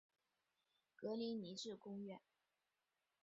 格林尼治宫苑。